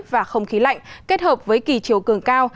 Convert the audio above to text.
và không khí lạnh kết hợp với kỳ chiều cường cao